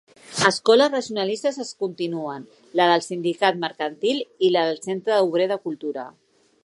Escoles racionalistes es continuen, la del Sindicat Mercantil i la del Centre Obrer de Cultura.